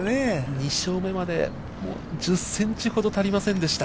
２勝目まで１０センチほど足りませんでした。